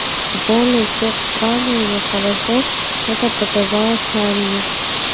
Более всех странно и нехорошо это показалось Анне.